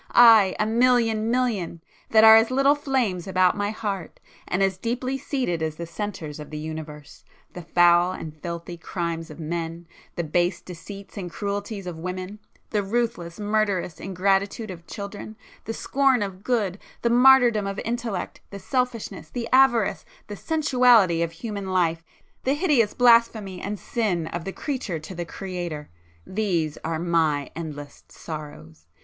—aye a million million, that are as little flames about my heart, and as deeply seated as the centres of the universe! The foul and filthy crimes of men,—the base deceits and cruelties of women,—the ruthless, murderous ingratitude of children,—the scorn of good, the martyrdom of intellect, the selfishness, the avarice, the sensuality of human life, the hideous blasphemy and sin of the creature to the Creator—these are my endless sorrows!